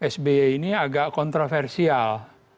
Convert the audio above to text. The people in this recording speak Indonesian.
sby ini agak kontroversial